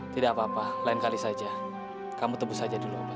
tidak apa apa lain kali saja kamu tebu saja dulu apa